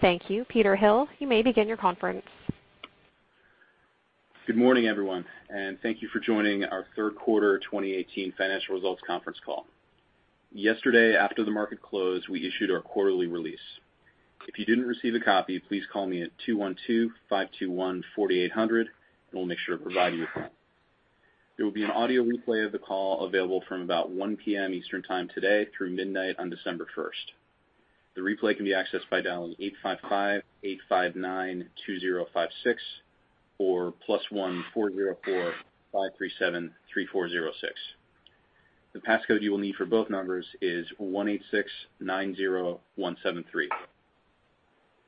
Thank you, Peter Hill. You may begin your conference. Good morning everyone, and thank you for joining our third quarter 2018 financial results conference call. Yesterday, after the market closed, we issued our quarterly release. If you didn't receive a copy, please call me at 212-521-4800 and we'll make sure to provide you a copy. There will be an audio replay of the call available from about 1:00 P.M. Eastern Time today through midnight on December 1st. The replay can be accessed by dialing 855-859-2056 or +1 404-537-3406. The pass code you will need for both numbers is 18690173.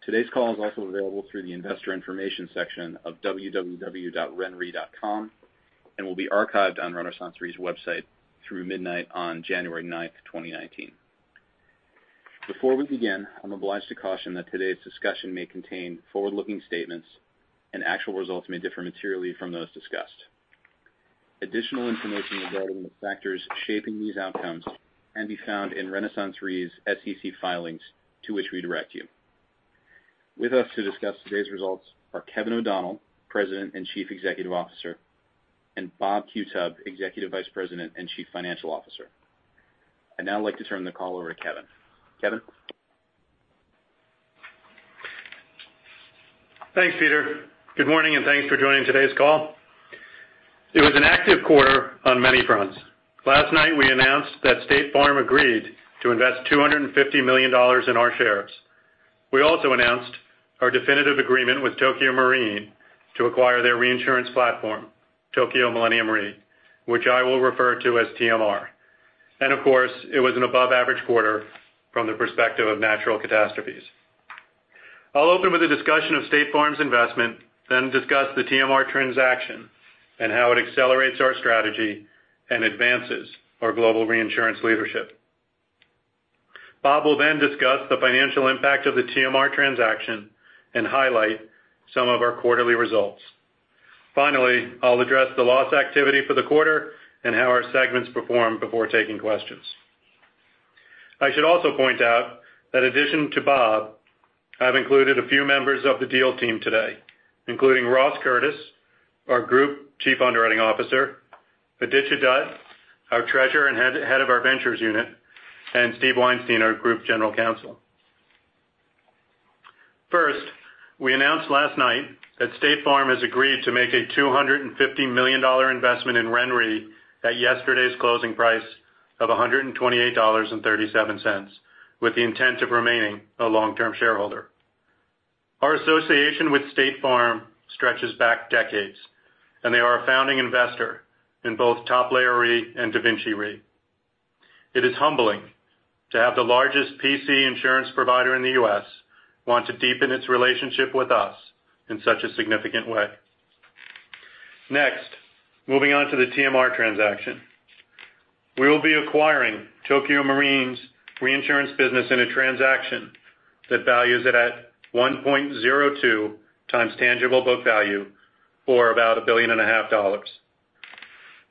Today's call is also available through the investor information section of www.renre.com and will be archived on RenaissanceRe's website through midnight on January 9th, 2019. Before we begin, I'm obliged to caution that today's discussion may contain forward-looking statements and actual results may differ materially from those discussed. Additional information regarding the factors shaping these outcomes can be found in RenaissanceRe's SEC filings to which we direct you. With us to discuss today's results are Kevin O'Donnell, President and Chief Executive Officer, and Bob Qutub, Executive Vice President and Chief Financial Officer. I'd now like to turn the call over to Kevin. Kevin? Thanks, Peter. Good morning, and thanks for joining today's call. It was an active quarter on many fronts. Last night we announced that State Farm agreed to invest $250 million in our shares. We also announced our definitive agreement with Tokio Marine to acquire their reinsurance platform, Tokio Millennium Re, which I will refer to as TMR. Of course, it was an above average quarter from the perspective of natural catastrophes. I'll open with a discussion of State Farm's investment, then discuss the TMR transaction and how it accelerates our strategy and advances our global reinsurance leadership. Bob will then discuss the financial impact of the TMR transaction and highlight some of our quarterly results. Finally, I'll address the loss activity for the quarter and how our segments performed before taking questions. I should also point out that in addition to Bob, I've included a few members of the deal team today, including Ross Curtis, our Group Chief Underwriting Officer, Aditya Dutt, our Treasurer and Head of Ventures unit, and Stephen Weinstein, our Group General Counsel. First, we announced last night that State Farm has agreed to make a $250 million investment in RenRe at yesterday's closing price of $128.37, with the intent of remaining a long-term shareholder. Our association with State Farm stretches back decades, and they are a founding investor in both Top Layer Re and DaVinci Re. It is humbling to have the largest P&C insurance provider in the U.S. want to deepen its relationship with us in such a significant way. Next, moving on to the TMR transaction. We will be acquiring Tokio Marine's reinsurance business in a transaction that values it at 1.02 times tangible book value, or about $1.5 billion.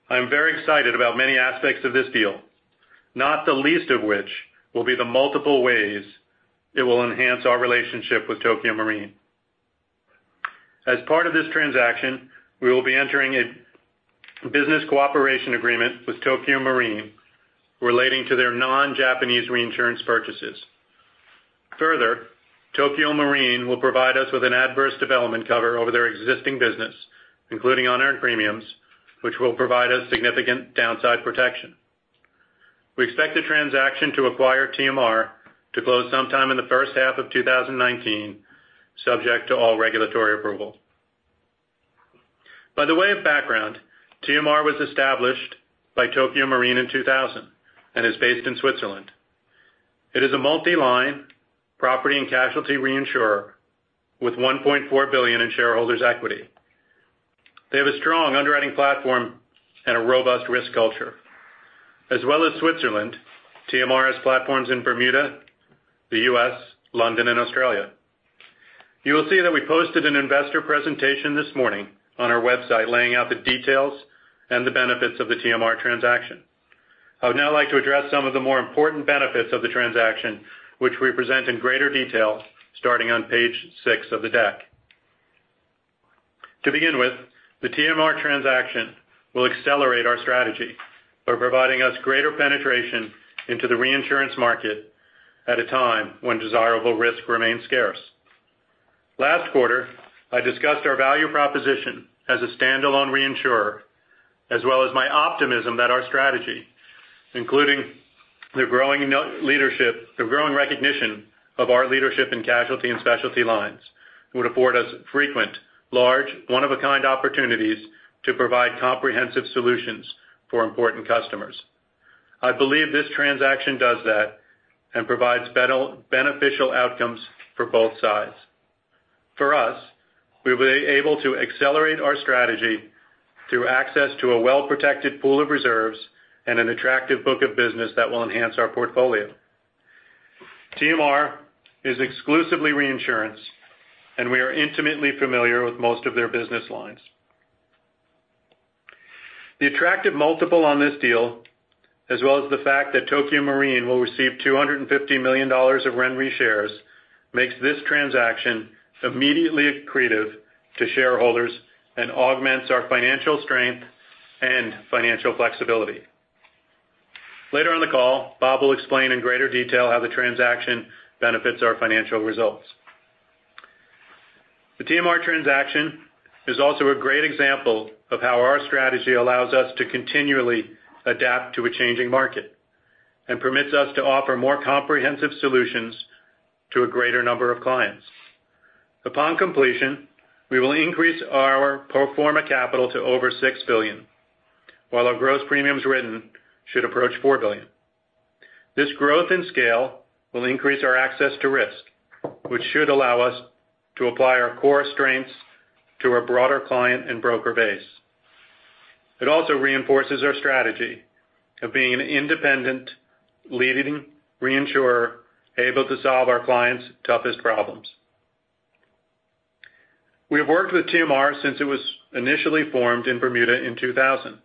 I'm very excited about many aspects of this deal, not the least of which will be the multiple ways it will enhance our relationship with Tokio Marine. As part of this transaction, we will be entering a business cooperation agreement with Tokio Marine relating to their non-Japanese reinsurance purchases. Further, Tokio Marine will provide us with an adverse development cover over their existing business, including on our premiums, which will provide us significant downside protection. We expect the transaction to acquire TMR to close sometime in the first half of 2019, subject to all regulatory approval. By the way of background, TMR was established by Tokio Marine in 2000 and is based in Switzerland. It is a multi-line property and casualty reinsurer with $1.4 billion in shareholders' equity. They have a strong underwriting platform and a robust risk culture. As well as Switzerland, TMR has platforms in Bermuda, the U.S., London, and Australia. You will see that we posted an investor presentation this morning on our website laying out the details and the benefits of the TMR transaction. I would now like to address some of the more important benefits of the transaction, which we present in greater detail starting on page six of the deck. To begin with, the TMR transaction will accelerate our strategy by providing us greater penetration into the reinsurance market at a time when desirable risk remains scarce. Last quarter, I discussed our value proposition as a standalone reinsurer, as well as my optimism that our strategy, including the growing recognition of our leadership in casualty and specialty lines, would afford us frequent, large, one-of-a-kind opportunities to provide comprehensive solutions for important customers. I believe this transaction does that and provides beneficial outcomes for both sides. For us, we will be able to accelerate our strategy through access to a well-protected pool of reserves and an attractive book of business that will enhance our portfolio. TMR is exclusively reinsurance, and we are intimately familiar with most of their business lines. The attractive multiple on this deal, as well as the fact that Tokio Marine will receive $250 million of RenRe shares, makes this transaction immediately accretive to shareholders and augments our financial strength and financial flexibility. Later on the call, Bob will explain in greater detail how the transaction benefits our financial results. The TMR transaction is also a great example of how our strategy allows us to continually adapt to a changing market, and permits us to offer more comprehensive solutions to a greater number of clients. Upon completion, we will increase our pro forma capital to over $6 billion, while our gross premiums written should approach $4 billion. This growth and scale will increase our access to risk, which should allow us to apply our core strengths to a broader client and broker base. It also reinforces our strategy of being an independent leading reinsurer able to solve our clients' toughest problems. We have worked with TMR since it was initially formed in Bermuda in 2000.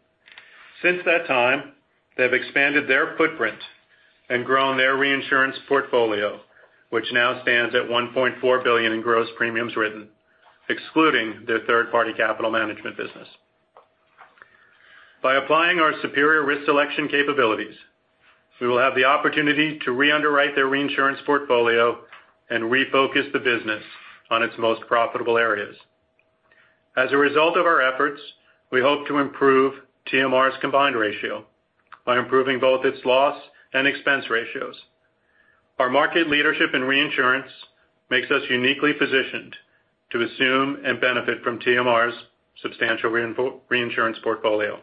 Since that time, they've expanded their footprint and grown their reinsurance portfolio, which now stands at $1.4 billion in gross premiums written, excluding their third-party capital management business. By applying our superior risk selection capabilities, we will have the opportunity to re-underwrite their reinsurance portfolio and refocus the business on its most profitable areas. As a result of our efforts, we hope to improve TMR's combined ratio by improving both its loss and expense ratios. Our market leadership in reinsurance makes us uniquely positioned to assume and benefit from TMR's substantial reinsurance portfolio.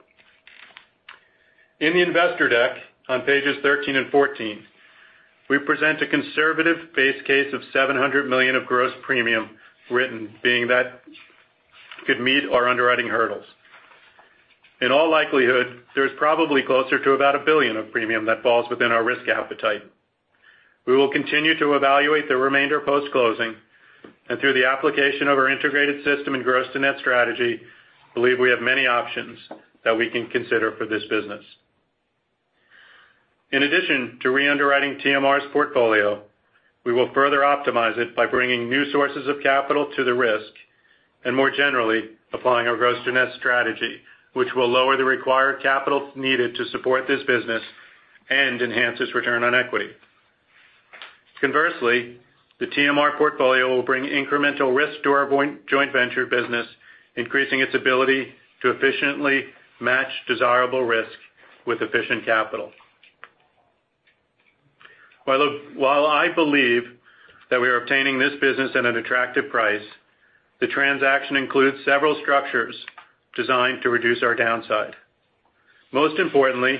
In the investor deck on pages 13 and 14, we present a conservative base case of $700 million of gross premium written being that could meet our underwriting hurdles. In all likelihood, there's probably closer to about $1 billion of premium that falls within our risk appetite. We will continue to evaluate the remainder post-closing and through the application of our integrated system and gross to net strategy, believe we have many options that we can consider for this business. In addition to re-underwriting TMR's portfolio, we will further optimize it by bringing new sources of capital to the risk, and more generally applying our gross to net strategy, which will lower the required capital needed to support this business and enhance its return on equity. Conversely, the TMR portfolio will bring incremental risk to our joint venture business, increasing its ability to efficiently match desirable risk with efficient capital. While I believe that we are obtaining this business at an attractive price, the transaction includes several structures designed to reduce our downside. Most importantly,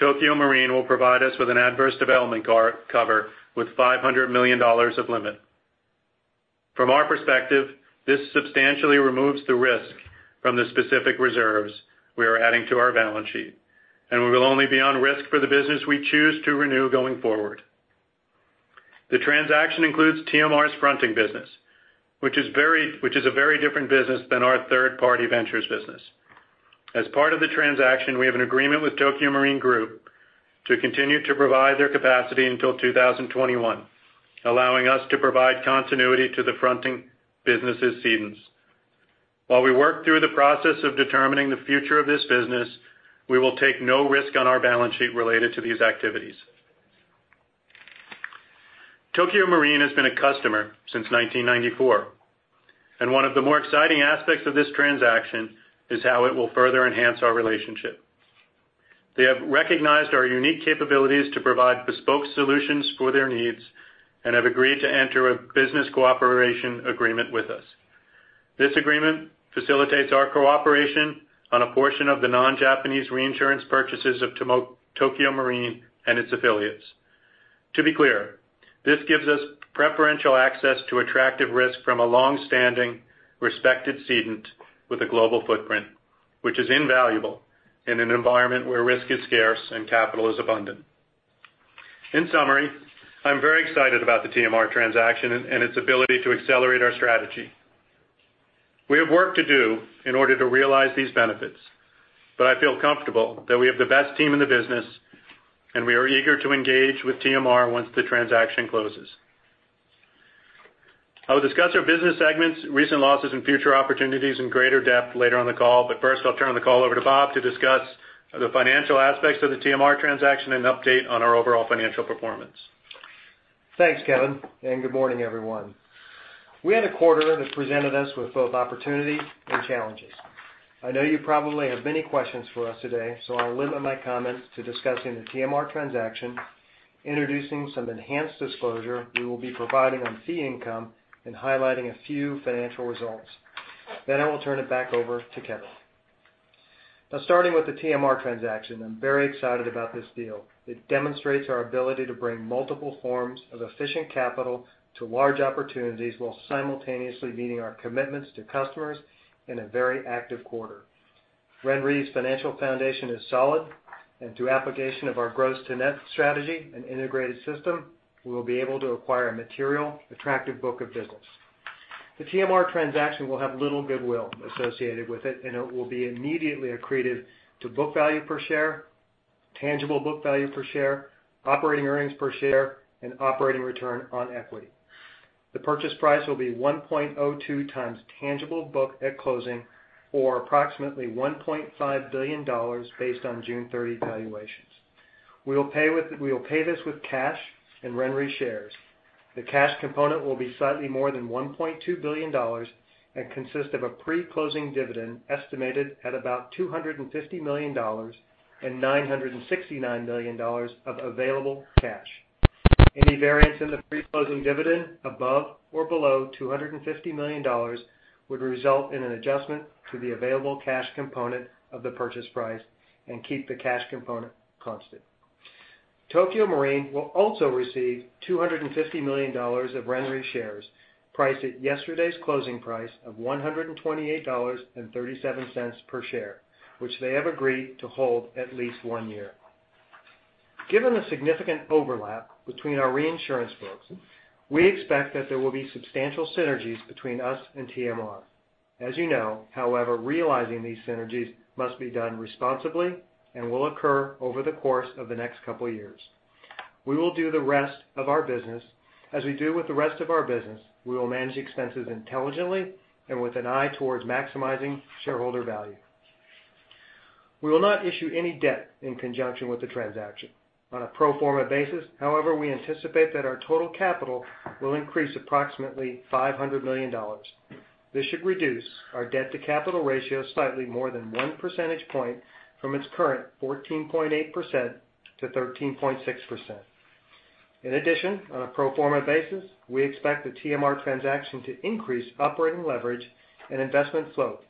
Tokio Marine will provide us with an adverse development cover with $500 million of limit. From our perspective, this substantially removes the risk from the specific reserves we are adding to our balance sheet, and we will only be on risk for the business we choose to renew going forward. The transaction includes TMR's fronting business, which is a very different business than our third-party ventures business. As part of the transaction, we have an agreement with Tokio Marine Group to continue to provide their capacity until 2021, allowing us to provide continuity to the fronting business' cedents. While we work through the process of determining the future of this business, we will take no risk on our balance sheet related to these activities. Tokio Marine has been a customer since 1994, and one of the more exciting aspects of this transaction is how it will further enhance our relationship. They have recognized our unique capabilities to provide bespoke solutions for their needs and have agreed to enter a business cooperation agreement with us. This agreement facilitates our cooperation on a portion of the non-Japanese reinsurance purchases of Tokio Marine and its affiliates. To be clear, this gives us preferential access to attractive risk from a long-standing, respected cedent with a global footprint, which is invaluable in an environment where risk is scarce and capital is abundant. In summary, I am very excited about the TMR transaction and its ability to accelerate our strategy. We have work to do in order to realize these benefits, but I feel comfortable that we have the best team in the business, and we are eager to engage with TMR once the transaction closes. I will discuss our business segments, recent losses, and future opportunities in greater depth later on the call. First, I will turn the call over to Bob Qutub to discuss the financial aspects of the TMR transaction and update on our overall financial performance. Thanks, Kevin O'Donnell, and good morning, everyone. We had a quarter that presented us with both opportunities and challenges. I know you probably have many questions for us today, so I will limit my comments to discussing the TMR transaction, introducing some enhanced disclosure we will be providing on fee income, and highlighting a few financial results. Then I will turn it back over to Kevin O'Donnell. Starting with the TMR transaction, I am very excited about this deal. It demonstrates our ability to bring multiple forms of efficient capital to large opportunities while simultaneously meeting our commitments to customers in a very active quarter. RenRe's financial foundation is solid, and through application of our gross to net strategy and integrated system, we will be able to acquire a material attractive book of business. The TMR transaction will have little goodwill associated with it, and it will be immediately accretive to book value per share, tangible book value per share, operating earnings per share, and operating return on equity. The purchase price will be 1.02 times tangible book at closing or approximately $1.5 billion based on June 30 valuations. We will pay this with cash and RenRe shares. The cash component will be slightly more than $1.2 billion and consist of a pre-closing dividend estimated at about $250 million and $969 million of available cash. Any variance in the pre-closing dividend above or below $250 million would result in an adjustment to the available cash component of the purchase price and keep the cash component constant. Tokio Marine will also receive $250 million of RenRe shares priced at yesterday's closing price of $128.37 per share, which they have agreed to hold at least one year. Given the significant overlap between our reinsurance books, we expect that there will be substantial synergies between us and TMR. As you know, however, realizing these synergies must be done responsibly and will occur over the course of the next couple of years. As we do with the rest of our business, we will manage expenses intelligently and with an eye towards maximizing shareholder value. We will not issue any debt in conjunction with the transaction. On a pro forma basis, however, we anticipate that our total capital will increase approximately $500 million. This should reduce our debt-to-capital ratio slightly more than one percentage point from its current 14.8% to 13.6%. In addition, on a pro forma basis, we expect the TMR transaction to increase operating leverage and investment flow.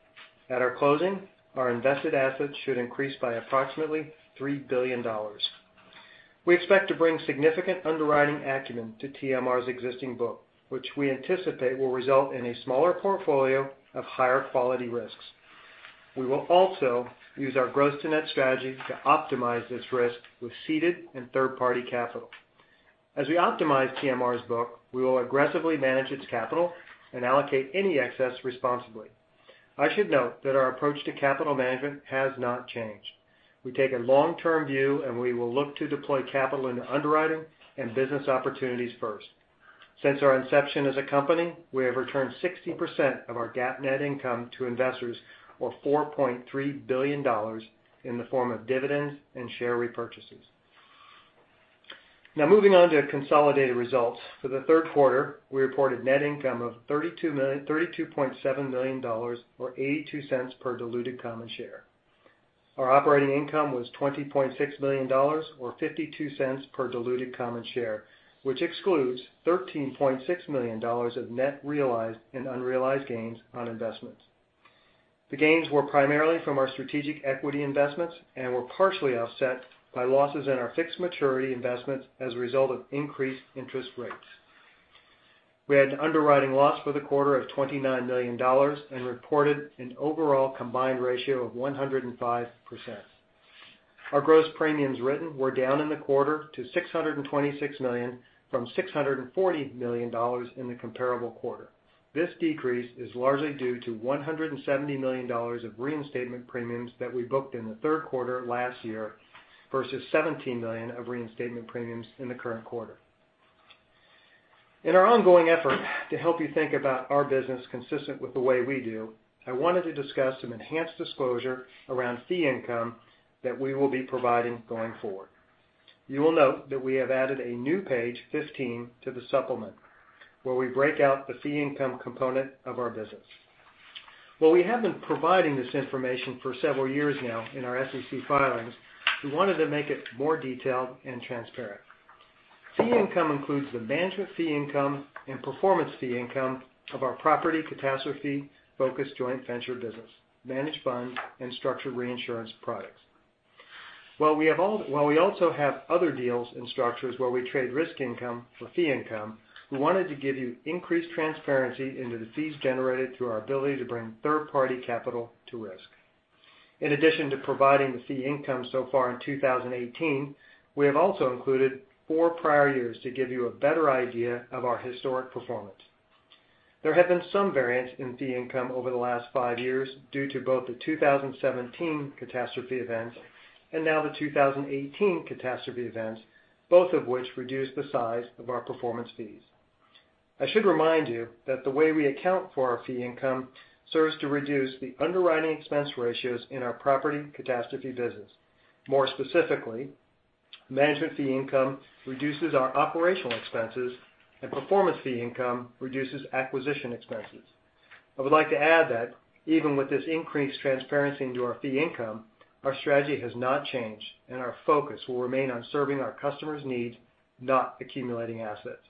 At our closing, our invested assets should increase by approximately $3 billion. We expect to bring significant underwriting acumen to TMR's existing book, which we anticipate will result in a smaller portfolio of higher quality risks. We will also use our gross-to-net strategy to optimize this risk with ceded and third-party capital. As we optimize TMR's book, we will aggressively manage its capital and allocate any excess responsibly. I should note that our approach to capital management has not changed. We take a long-term view, and we will look to deploy capital into underwriting and business opportunities first. Since our inception as a company, we have returned 60% of our GAAP net income to investors or $4.3 billion in the form of dividends and share repurchases. Now, moving on to consolidated results. For the third quarter, we reported net income of $32.7 million, or $0.82 per diluted common share. Our operating income was $20.6 million or $0.52 per diluted common share, which excludes $13.6 million of net realized and unrealized gains on investments. The gains were primarily from our strategic equity investments and were partially offset by losses in our fixed maturity investments as a result of increased interest rates. We had an underwriting loss for the quarter of $29 million and reported an overall combined ratio of 105%. Our gross premiums written were down in the quarter to $626 million from $640 million in the comparable quarter. This decrease is largely due to $170 million of reinstatement premiums that we booked in the third quarter last year versus $17 million of reinstatement premiums in the current quarter. In our ongoing effort to help you think about our business consistent with the way we do, I wanted to discuss some enhanced disclosure around fee income that we will be providing going forward. You will note that we have added a new page, 15, to the supplement, where we break out the fee income component of our business. While we have been providing this information for several years now in our SEC filings, we wanted to make it more detailed and transparent. Fee income includes the management fee income and performance fee income of our property catastrophe focused joint venture business, managed fund, and structured reinsurance products. While we also have other deals and structures where we trade risk income for fee income, we wanted to give you increased transparency into the fees generated through our ability to bring third-party capital to risk. In addition to providing the fee income so far in 2018, we have also included four prior years to give you a better idea of our historic performance. There have been some variance in fee income over the last five years due to both the 2017 catastrophe events and now the 2018 catastrophe events, both of which reduce the size of our performance fees. I should remind you that the way we account for our fee income serves to reduce the underwriting expense ratios in our Property Catastrophe business. More specifically, management fee income reduces our operational expenses, and performance fee income reduces acquisition expenses. I would like to add that even with this increased transparency into our fee income, our strategy has not changed, and our focus will remain on serving our customers' needs, not accumulating assets.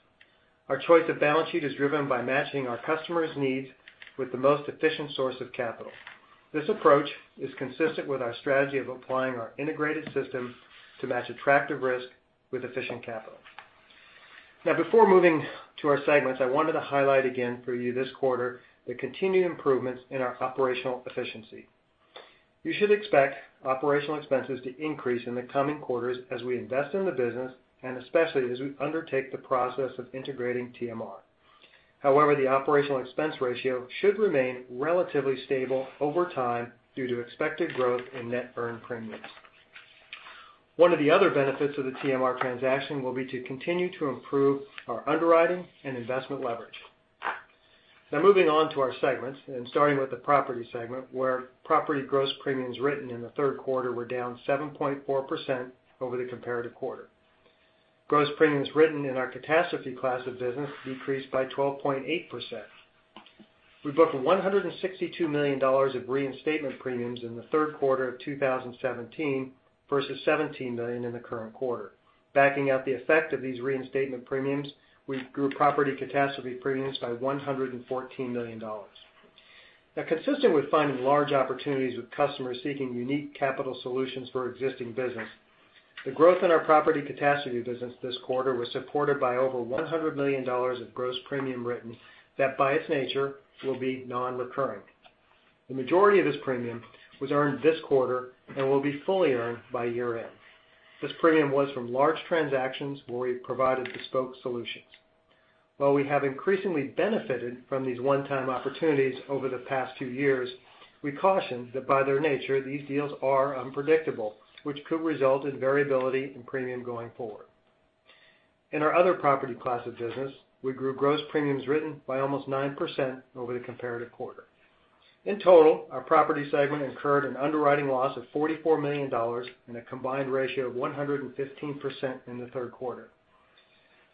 Our choice of balance sheet is driven by matching our customers' needs with the most efficient source of capital. This approach is consistent with our strategy of applying our integrated system to match attractive risk with efficient capital. Before moving to our segments, I wanted to highlight again for you this quarter the continued improvements in our operational efficiency. You should expect operational expenses to increase in the coming quarters as we invest in the business, and especially as we undertake the process of integrating TMR. The operational expense ratio should remain relatively stable over time due to expected growth in net earned premiums. One of the other benefits of the TMR transaction will be to continue to improve our underwriting and investment leverage. Moving on to our segments and starting with the property segment, where property gross premiums written in the third quarter were down 7.4% over the comparative quarter. Gross premiums written in our catastrophe class of business decreased by 12.8%. We booked $162 million of reinstatement premiums in the third quarter of 2017 versus $17 million in the current quarter. Backing out the effect of these reinstatement premiums, we grew Property Catastrophe premiums by $114 million. Consistent with finding large opportunities with customers seeking unique capital solutions for existing business, the growth in our Property Catastrophe business this quarter was supported by over $100 million of gross premium written that, by its nature, will be non-recurring. The majority of this premium was earned this quarter and will be fully earned by year-end. This premium was from large transactions where we provided bespoke solutions. While we have increasingly benefited from these one-time opportunities over the past two years, we caution that by their nature, these deals are unpredictable, which could result in variability in premium going forward. In our other property class of business, we grew gross premiums written by almost 9% over the comparative quarter. In total, our property segment incurred an underwriting loss of $44 million in a combined ratio of 115% in the third quarter.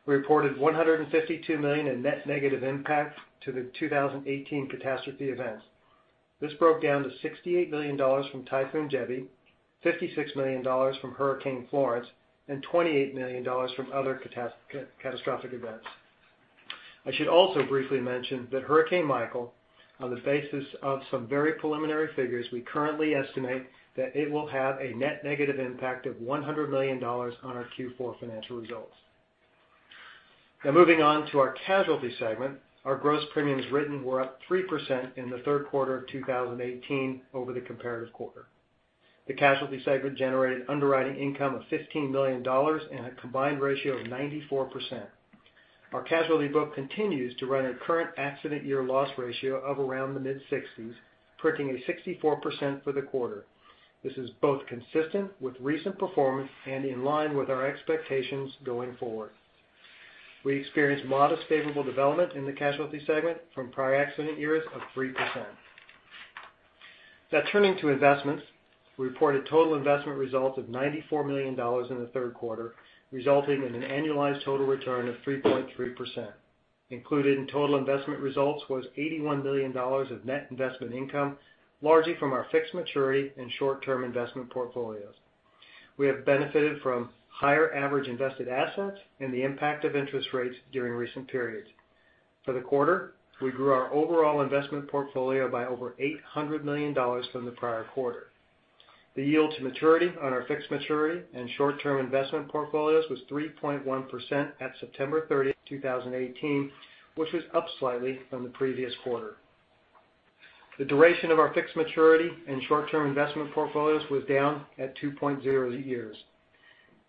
We reported $152 million in net negative impact to the 2018 catastrophe events. This broke down to $68 million from Typhoon Jebi, $56 million from Hurricane Florence, and $28 million from other catastrophic events. I should also briefly mention that Hurricane Michael, on the basis of some very preliminary figures, we currently estimate that it will have a net negative impact of $100 million on our Q4 financial results. Moving on to our casualty segment, our gross premiums written were up 3% in the third quarter of 2018 over the comparative quarter. The casualty segment generated underwriting income of $15 million and a combined ratio of 94%. Our casualty book continues to run a current accident year loss ratio of around the mid-60s, printing a 64% for the quarter. This is both consistent with recent performance and in line with our expectations going forward. We experienced modest favorable development in the casualty segment from prior accident years of 3%. Turning to investments, we reported total investment results of $94 million in the third quarter, resulting in an annualized total return of 3.3%. Included in total investment results was $81 million of net investment income, largely from our fixed maturity and short-term investment portfolios. We have benefited from higher average invested assets and the impact of interest rates during recent periods. For the quarter, we grew our overall investment portfolio by over $800 million from the prior quarter. The yield to maturity on our fixed maturity and short-term investment portfolios was 3.1% at September 30, 2018, which was up slightly from the previous quarter. The duration of our fixed maturity and short-term investment portfolios was down at 2.0 years.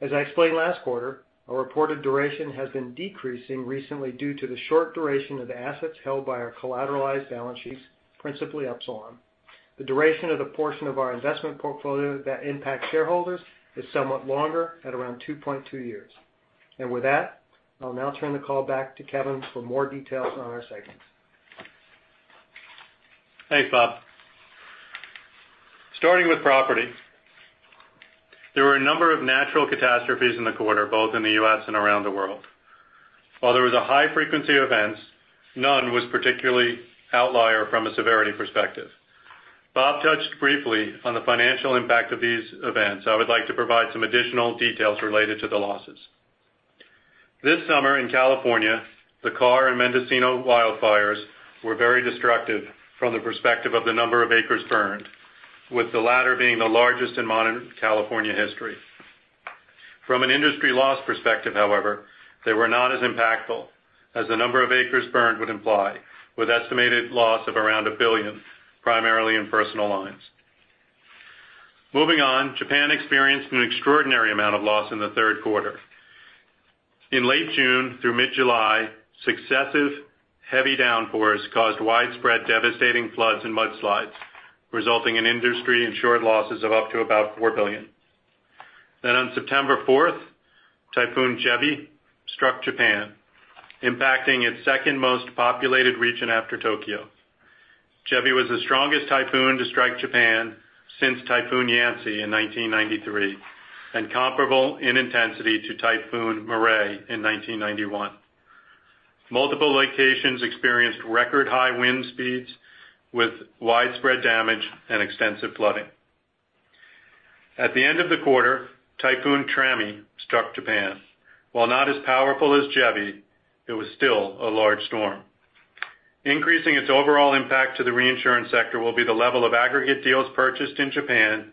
As I explained last quarter, our reported duration has been decreasing recently due to the short duration of assets held by our collateralized balance sheets, principally Upsilon. The duration of the portion of our investment portfolio that impacts shareholders is somewhat longer at around 2.2 years. With that, I'll now turn the call back to Kevin for more details on our segments. Thanks, Bob. Starting with property, there were a number of natural catastrophes in the quarter, both in the U.S. and around the world. While there was a high frequency of events, none was particularly outlier from a severity perspective. Bob touched briefly on the financial impact of these events. I would like to provide some additional details related to the losses. This summer in California, the Carr and Mendocino wildfires were very destructive from the perspective of the number of acres burned, with the latter being the largest in modern California history. From an industry loss perspective, however, they were not as impactful as the number of acres burned would imply, with estimated loss of around $1 billion, primarily in personal lines. Moving on, Japan experienced an extraordinary amount of loss in the third quarter. In late June through mid-July, successive heavy downpours caused widespread devastating floods and mudslides, resulting in industry insured losses of up to about $4 billion. On September 4th, Typhoon Jebi struck Japan, impacting its second most populated region after Tokyo. Jebi was the strongest typhoon to strike Japan since Typhoon Yancy in 1993 and comparable in intensity to Typhoon Mireille in 1991. Multiple locations experienced record high wind speeds with widespread damage and extensive flooding. At the end of the quarter, Typhoon Trami struck Japan. While not as powerful as Jebi, it was still a large storm. Increasing its overall impact to the reinsurance sector will be the level of aggregate deals purchased in Japan,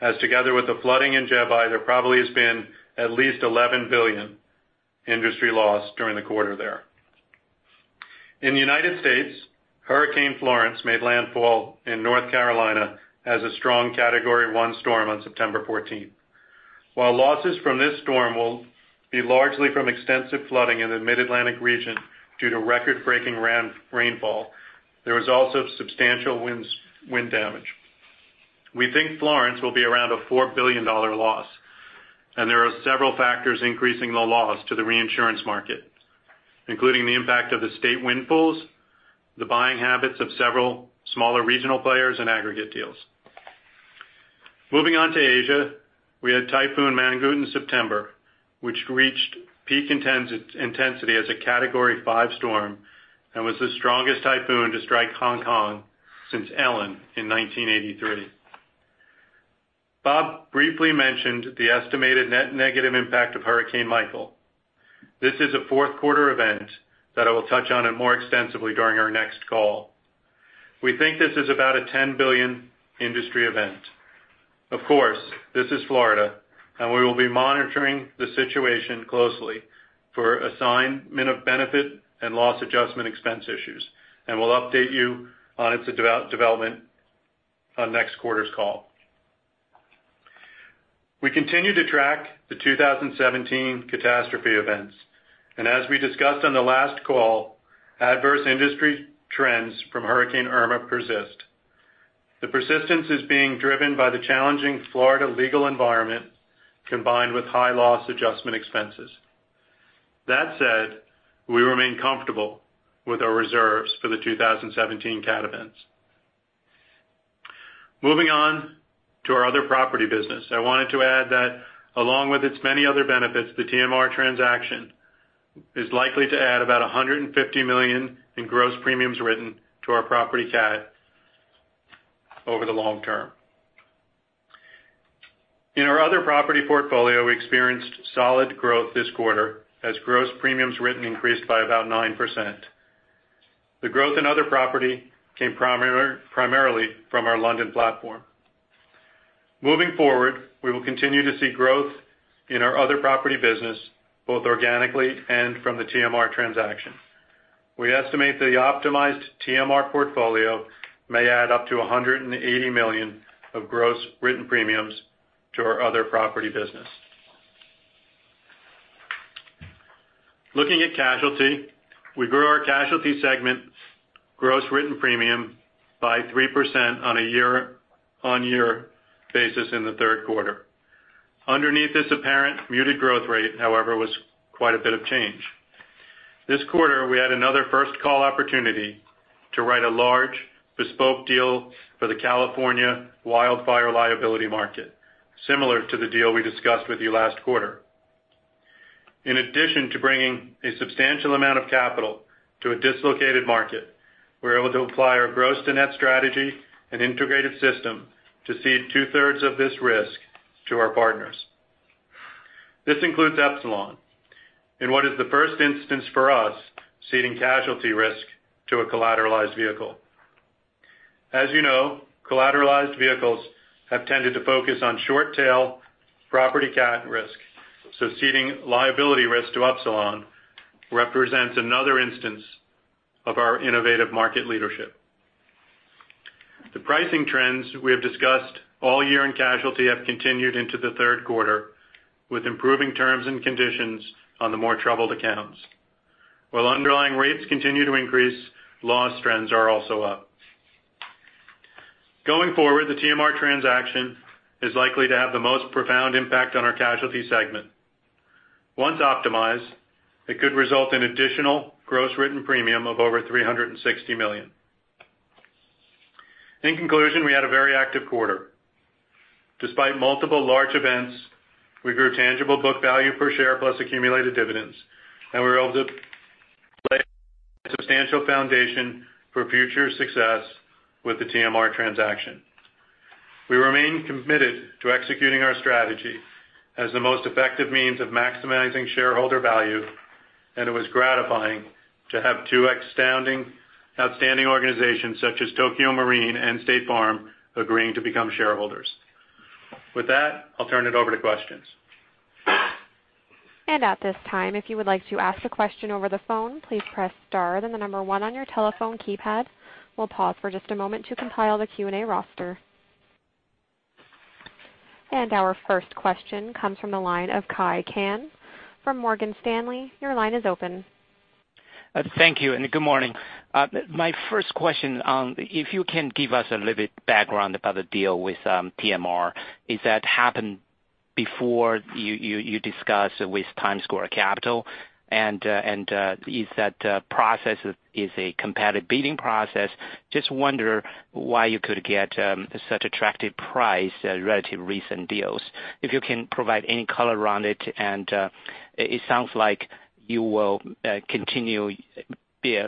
as together with the flooding in Jebi, there probably has been at least $11 billion industry loss during the quarter there. In the U.S., Hurricane Florence made landfall in North Carolina as a strong Category 1 storm on September 14th. While losses from this storm will be largely from extensive flooding in the Mid-Atlantic region due to record-breaking rainfall, there was also substantial wind damage. We think Florence will be around a $4 billion loss, and there are several factors increasing the loss to the reinsurance market, including the impact of the state wind pools, the buying habits of several smaller regional players, and aggregate deals. Moving on to Asia, we had Typhoon Mangkhut in September, which reached peak intensity as a Category 5 storm and was the strongest typhoon to strike Hong Kong since Ellen in 1983. Bob briefly mentioned the estimated net negative impact of Hurricane Michael. This is a fourth quarter event that I will touch on more extensively during our next call. We think this is about a $10 billion industry event. Of course, this is Florida, and we will be monitoring the situation closely for assignment of benefit and loss adjustment expense issues, and we'll update you on its development on next quarter's call. We continue to track the 2017 catastrophe events, and as we discussed on the last call, adverse industry trends from Hurricane Irma persist. The persistence is being driven by the challenging Florida legal environment combined with high loss adjustment expenses. That said, we remain comfortable with our reserves for the 2017 cat events. Moving on to our other property business, I wanted to add that along with its many other benefits, the TMR transaction is likely to add about $150 million in gross premiums written to our property cat over the long term. In our other property portfolio, we experienced solid growth this quarter as gross premiums written increased by about 9%. The growth in other property came primarily from our London platform. Moving forward, we will continue to see growth in our other property business, both organically and from the TMR transaction. We estimate the optimized TMR portfolio may add up to $180 million of gross written premiums to our other property business. Looking at casualty, we grew our casualty segment gross written premium by 3% on year basis in the third quarter. Underneath this apparent muted growth rate, however, was quite a bit of change. This quarter, we had another first call opportunity to write a large bespoke deal for the California wildfire liability market, similar to the deal we discussed with you last quarter. In addition to bringing a substantial amount of capital to a dislocated market, we were able to apply our gross to net strategy and integrated system to cede two-thirds of this risk to our partners. This includes Upsilon. In what is the first instance for us ceding casualty risk to a collateralized vehicle. As you know, collateralized vehicles have tended to focus on short tail property cat risk, so ceding liability risk to Upsilon represents another instance of our innovative market leadership. The pricing trends we have discussed all year in casualty have continued into the third quarter, with improving terms and conditions on the more troubled accounts. While underlying rates continue to increase, loss trends are also up. Going forward, the TMR transaction is likely to have the most profound impact on our casualty segment. Once optimized, it could result in additional gross written premium of over $360 million. In conclusion, we had a very active quarter. Despite multiple large events, we grew tangible book value per share plus accumulated dividends, and we were able to lay a substantial foundation for future success with the TMR transaction. We remain committed to executing our strategy as the most effective means of maximizing shareholder value, and it was gratifying to have two outstanding organizations such as Tokio Marine and State Farm agreeing to become shareholders. With that, I'll turn it over to questions. At this time, if you would like to ask a question over the phone, please press star, then the number 1 on your telephone keypad. We'll pause for just a moment to compile the Q&A roster. Our first question comes from the line of Kai Pan from Morgan Stanley. Your line is open. Thank you, good morning. My first question, if you can give us a little bit background about the deal with TMR. Is that happened before you discussed with TimesSquare Capital Management? Is that process a competitive bidding process? Just wonder why you could get such attractive price relative recent deals? If you can provide any color around it sounds like you will continue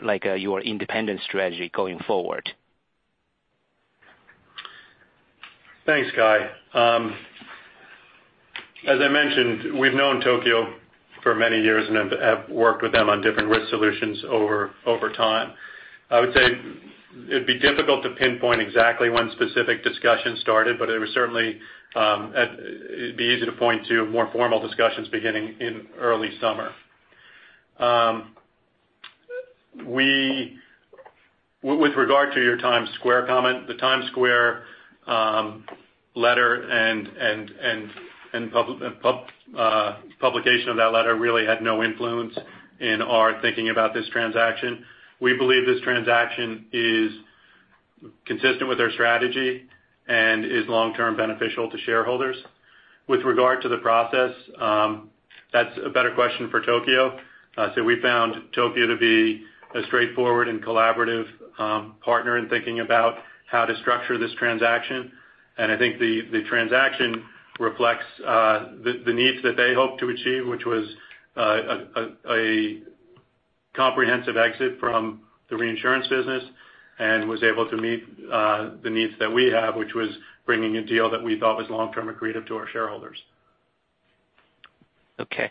like your independent strategy going forward? Thanks, Kai. As I mentioned, we've known Tokio for many years and have worked with them on different risk solutions over time. I would say it'd be difficult to pinpoint exactly one specific discussion started, but it would be easy to point to more formal discussions beginning in early summer. With regard to your TimesSquare comment, the TimesSquare letter and publication of that letter really had no influence in our thinking about this transaction. We believe this transaction is consistent with our strategy and is long-term beneficial to shareholders. With regard to the process, that's a better question for Tokio. I'd say we found Tokio to be a straightforward and collaborative partner in thinking about how to structure this transaction, the transaction reflects the needs that they hope to achieve, which was a comprehensive exit from the reinsurance business, and was able to meet the needs that we have, which was bringing a deal that we thought was long-term accretive to our shareholders. Okay,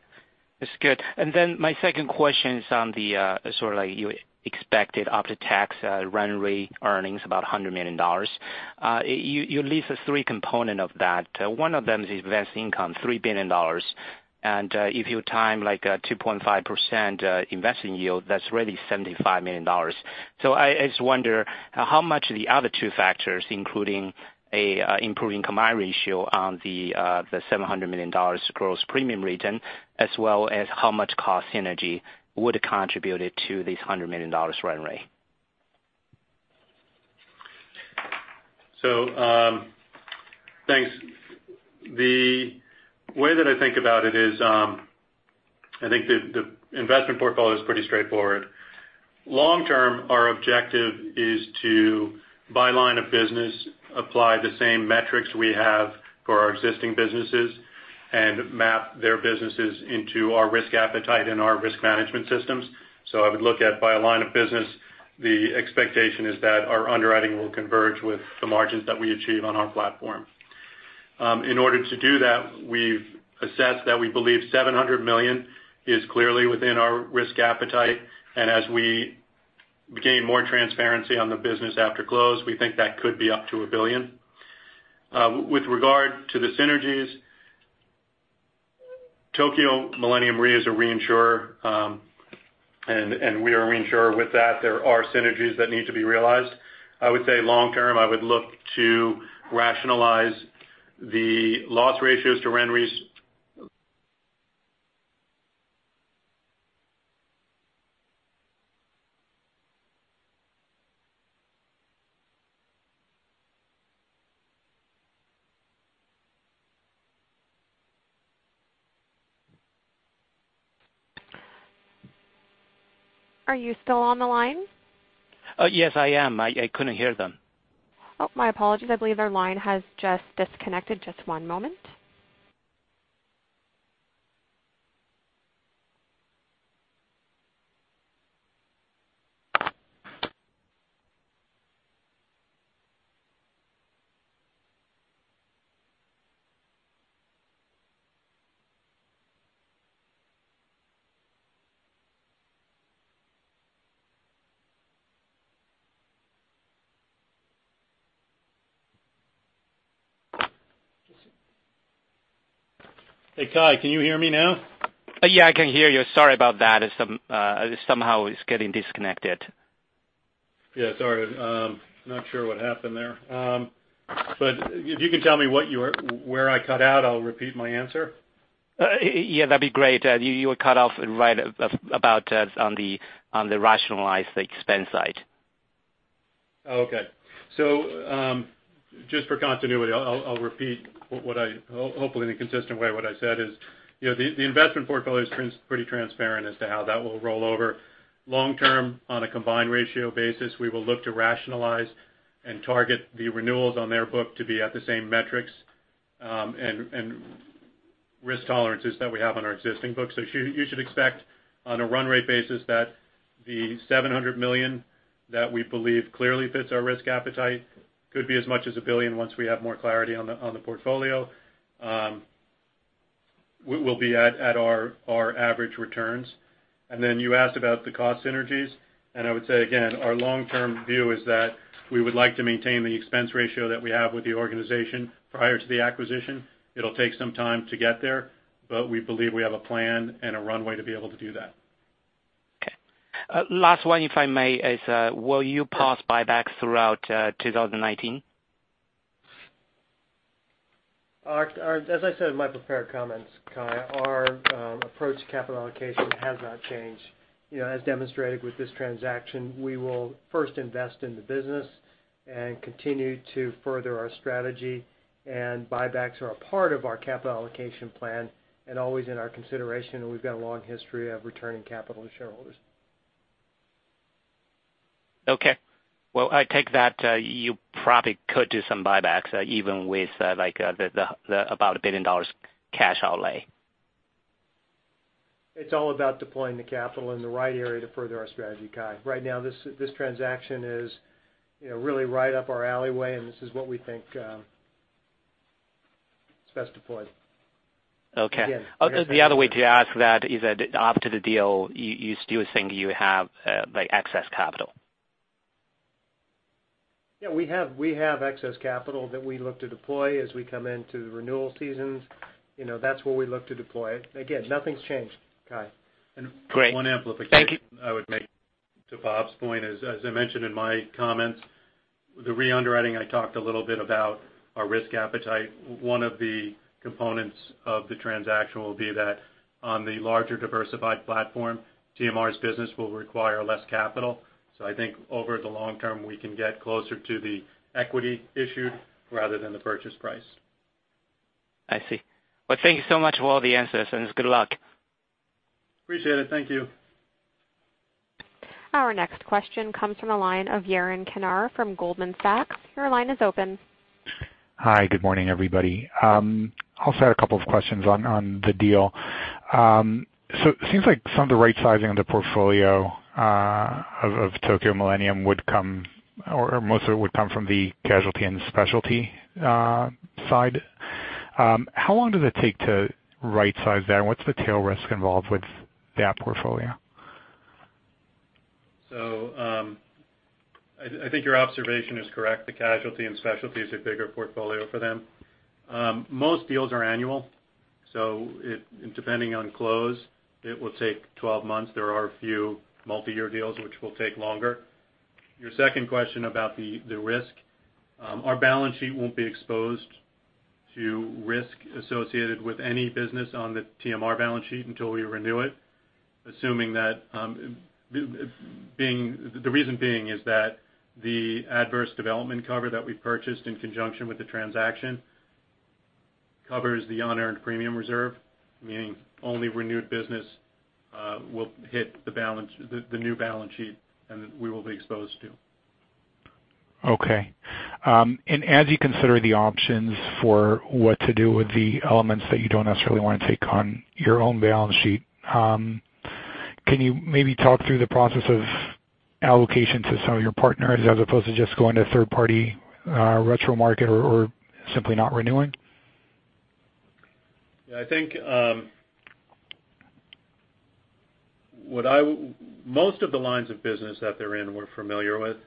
that's good. My second question is on the sort of like you expected after-tax run rate earnings about $100 million. You list the three components of that. One of them is investment income, $3 billion. If you time like a 2.5% investing yield, that's really $75 million. I just wonder how much the other two factors, including an improving combined ratio on the $700 million gross premium written, as well as how much cost synergy would contributed to this $100 million run rate. Thanks. The way that I think about it is, I think the investment portfolio is pretty straightforward. Long term, our objective is to, by line of business, apply the same metrics we have for our existing businesses and map their businesses into our risk appetite and our risk management systems. I would look at, by line of business, the expectation is that our underwriting will converge with the margins that we achieve on our platform. In order to do that, we've assessed that we believe $700 million is clearly within our risk appetite, and as we gain more transparency on the business after close, we think that could be up to $1 billion. With regard to the synergies, Tokio Millennium Re is a reinsurer, we are a reinsurer. With that, there are synergies that need to be realized. I would say long term, I would look to rationalize the loss ratios to RenRe's. Are you still on the line? Yes, I am. I couldn't hear them. Oh, my apologies. I believe their line has just disconnected. Just one moment. Hey, Kai, can you hear me now? Yeah, I can hear you. Sorry about that. It somehow is getting disconnected. Yeah, sorry. I'm not sure what happened there. If you can tell me where I cut out, I'll repeat my answer. Yeah, that'd be great. You were cut off right about on the rationalize the expense side. Okay. Just for continuity, I'll repeat, hopefully in a consistent way, what I said is, the investment portfolio is pretty transparent as to how that will roll over. Long term, on a combined ratio basis, we will look to rationalize and target the renewals on their book to be at the same metrics, and risk tolerances that we have on our existing books. You should expect on a run rate basis that the $700 million that we believe clearly fits our risk appetite could be as much as $1 billion once we have more clarity on the portfolio, will be at our average returns. Then you asked about the cost synergies, I would say again, our long-term view is that we would like to maintain the expense ratio that we have with the organization prior to the acquisition. It'll take some time to get there, we believe we have a plan and a runway to be able to do that. Okay. Last one, if I may, is will you pause buybacks throughout 2019? As I said in my prepared comments, Kai, our approach to capital allocation has not changed. As demonstrated with this transaction, we will first invest in the business and continue to further our strategy, buybacks are a part of our capital allocation plan and always in our consideration, we've got a long history of returning capital to shareholders. Okay. Well, I take that you probably could do some buybacks, even with the about a $1 billion cash outlay. It's all about deploying the capital in the right area to further our strategy, Kai. Right now, this transaction is really right up our alleyway. This is what we think It's best deployed. Okay. Again- The other way to ask that is that after the deal, you still think you have excess capital? Yeah, we have excess capital that we look to deploy as we come into the renewal seasons. That's where we look to deploy. Again, nothing's changed, Kai. Great. Thank you. One amplification I would make to Bob's point is, as I mentioned in my comments, the re-underwriting, I talked a little bit about our risk appetite. One of the components of the transaction will be that on the larger diversified platform, TMR's business will require less capital. I think over the long term, we can get closer to the equity issued rather than the purchase price. I see. Well, thank you so much for all the answers, and good luck. Appreciate it. Thank you. Our next question comes from the line of Yaron Kinar from Goldman Sachs. Your line is open. Hi. Good morning, everybody. I also had a couple of questions on the deal. It seems like some of the right-sizing of the portfolio of Tokio Millennium would come, or most of it would come from the casualty and specialty side. How long does it take to right-size that, and what's the tail risk involved with that portfolio? I think your observation is correct. The casualty and specialty is a bigger portfolio for them. Most deals are annual, depending on close, it will take 12 months. There are a few multiyear deals which will take longer. Your second question about the risk, our balance sheet won't be exposed to risk associated with any business on the TMR balance sheet until we renew it. The reason being is that the adverse development cover that we purchased in conjunction with the transaction covers the unearned premium reserve, meaning only renewed business will hit the new balance sheet, and that we will be exposed to. Okay. As you consider the options for what to do with the elements that you don't necessarily want to take on your own balance sheet, can you maybe talk through the process of allocation to some of your partners as opposed to just going to a third-party retro market or simply not renewing? Yeah, I think, most of the lines of business that they're in, we're familiar with.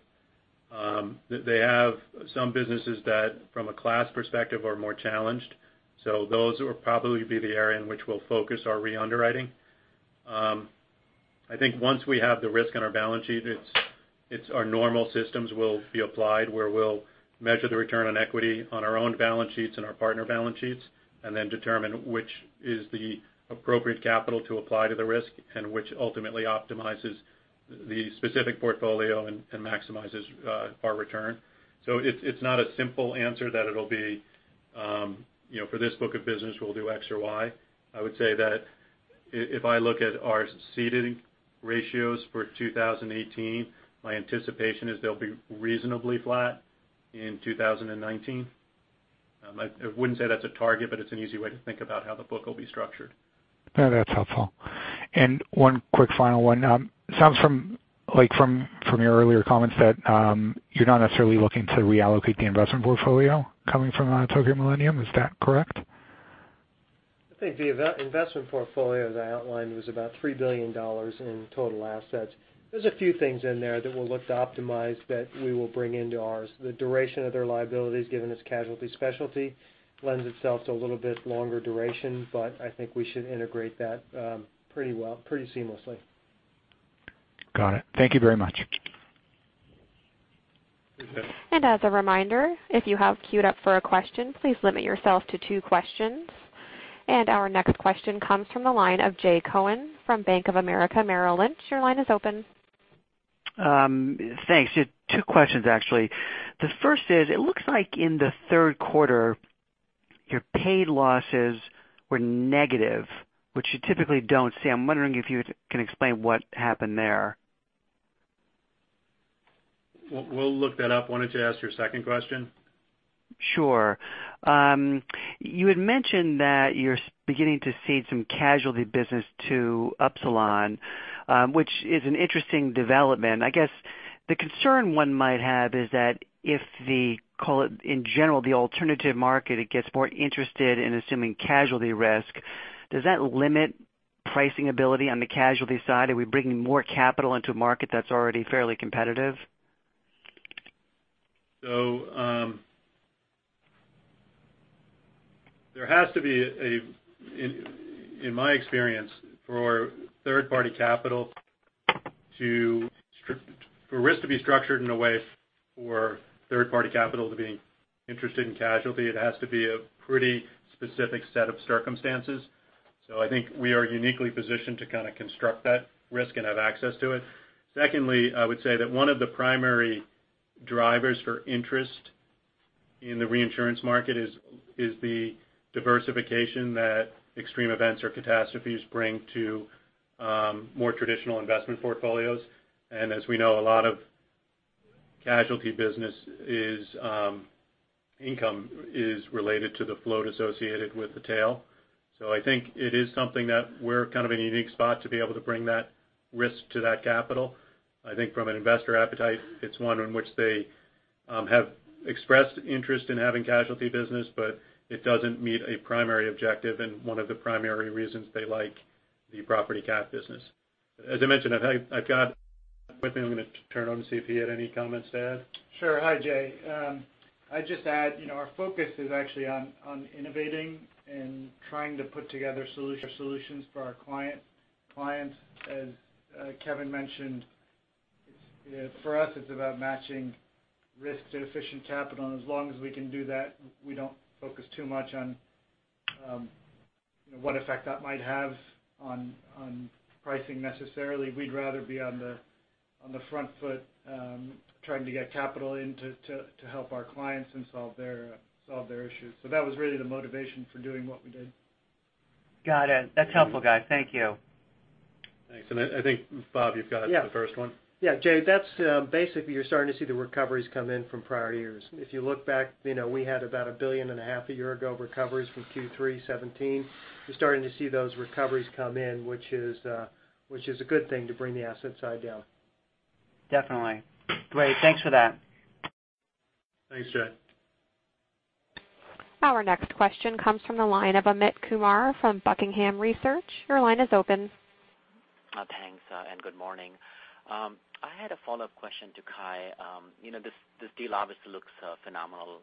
They have some businesses that, from a class perspective, are more challenged. Those will probably be the area in which we'll focus our reunderwriting. I think once we have the risk on our balance sheet, our normal systems will be applied, where we'll measure the return on equity on our own balance sheets and our partner balance sheets, and then determine which is the appropriate capital to apply to the risk and which ultimately optimizes the specific portfolio and maximizes our return. It's not a simple answer that it'll be for this book of business, we'll do X or Y. I would say that if I look at our ceded ratios for 2018, my anticipation is they'll be reasonably flat in 2019. I wouldn't say that's a target, but it's an easy way to think about how the book will be structured. No, that's helpful. One quick final one. It sounds like from your earlier comments that you're not necessarily looking to reallocate the investment portfolio coming from Tokio Millennium Re. Is that correct? I think the investment portfolio that I outlined was about $3 billion in total assets. There's a few things in there that we'll look to optimize that we will bring into ours. The duration of their liabilities, given its casualty specialty, lends itself to a little bit longer duration, but I think we should integrate that pretty well, pretty seamlessly. Got it. Thank you very much. As a reminder, if you have queued up for a question, please limit yourself to two questions. Our next question comes from the line of Jay Cohen from Bank of America Merrill Lynch. Your line is open. Thanks. Two questions, actually. The first is, it looks like in the third quarter, your paid losses were negative, which you typically don't see. I'm wondering if you can explain what happened there. We'll look that up. Why don't you ask your second question? Sure. You had mentioned that you're beginning to cede some casualty business to Upsilon, which is an interesting development. I guess the concern one might have is that if the, call it in general, the alternative market, it gets more interested in assuming casualty risk, does that limit pricing ability on the casualty side? Are we bringing more capital into a market that's already fairly competitive? There has to be a, in my experience, for risk to be structured in a way for third-party capital to be interested in casualty, it has to be a pretty specific set of circumstances. I think we are uniquely positioned to kind of construct that risk and have access to it. Secondly, I would say that one of the primary drivers for interest in the reinsurance market is the diversification that extreme events or catastrophes bring to more traditional investment portfolios. As we know, a lot of casualty business income is related to the float associated with the tail. I think it is something that we're kind of in a unique spot to be able to bring that risk to that capital. I think from an investor appetite, it's one in which they have expressed interest in having casualty business, but it doesn't meet a primary objective and one of the primary reasons they like the property cat business. As I mentioned, I've got with me, I'm going to turn on and see if he had any comments to add. Sure. Hi, Jay. I'd just add, our focus is actually on innovating and trying to put together solutions for our client. As Kevin mentioned, for us, it's about matching risks to efficient capital, and as long as we can do that, we don't focus too much on what effect that might have on pricing necessarily. We'd rather be on the front foot trying to get capital in to help our clients and solve their issues. That was really the motivation for doing what we did. Got it. That's helpful, guys. Thank you. Thanks. I think, Bob, you've got the first one. Yeah. Jay, that's basically you're starting to see the recoveries come in from prior years. If you look back, we had about a billion and a half a year ago, recoveries from Q3 2017. We're starting to see those recoveries come in, which is a good thing to bring the asset side down. Definitely. Great. Thanks for that. Thanks, Jay. Our next question comes from the line of Amit Kumar from Buckingham Research. Your line is open. Thanks, good morning. I had a follow-up question to Kai. This deal obviously looks phenomenal